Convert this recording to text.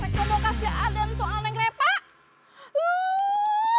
mereka mau kasih aden soalnya mereka